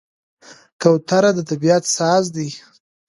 کوتره د طبیعت ساز ده.